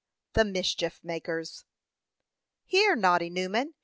THE MISCHIEF MAKERS. "Here, Noddy Newman!